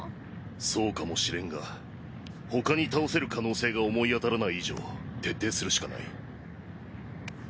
そうかもしれんがほかに倒せる可能性が思い当たらない以上徹底するしかない。